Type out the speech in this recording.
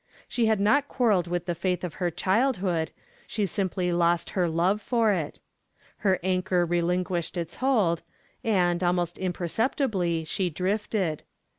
She had not quarreled with the faith of her childhood; she simply lost her love for it. Her anchor relinquished its hold, and, almost imperceptibly, she drifted.